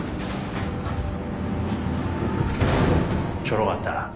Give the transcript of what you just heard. ちょろかったな。